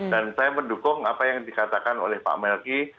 dan saya mendukung apa yang dikatakan oleh pak melki